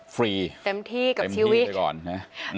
ฟรีเต็มที่กับชีวิตเลยก่อนนะครับ